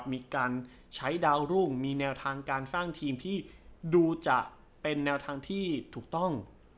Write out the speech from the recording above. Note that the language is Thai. มีการใช้ดาวรุ่งมีแนวทางการสร้างทีมที่ดูจะเป็นแนวทางที่ถูกต้อง